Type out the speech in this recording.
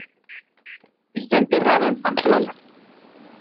Está enterrado en Pamplona.